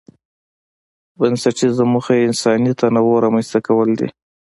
بنسټيزه موخه یې انساني تنوع رامنځته کول دي.